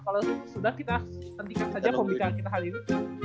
kalau sudah kita hentikan saja pembicaraan kita hari ini